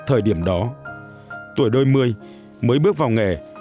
thời điểm đó tuổi đôi mươi mới bước vào nghề